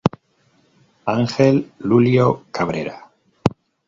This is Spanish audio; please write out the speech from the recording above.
Ángel Lulio Cabrera.